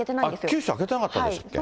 九州は明けてなかったでしたっけ。